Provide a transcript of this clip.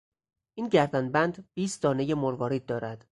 این گردنبند بیست دانهی مروارید دارد.